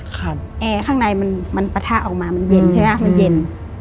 แอร์ข้างในมันมันปะทะออกมามันเย็นใช่ไหมมันเย็น